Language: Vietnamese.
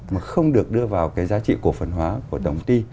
mà không được đưa vào giá trị cổ phần hóa của tổng ty